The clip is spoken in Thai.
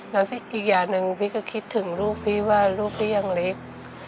แล้วอีกอย่างหนึ่งพี่ก็คิดถึงลูกพี่ว่าลูกก็ยังเล็ก